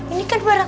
ini kan barang